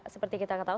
seperti kita tahu